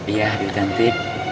iya ya ganti